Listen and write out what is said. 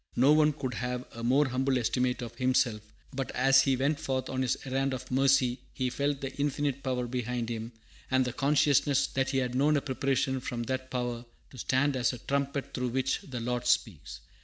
No one could have a more humble estimate of himself; but as he went forth on his errand of mercy he felt the Infinite Power behind him, and the consciousness that he had known a preparation from that Power "to stand as a trumpet through which the Lord speaks."